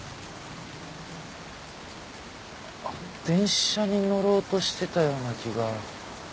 電車に乗ろうとしてたような気が。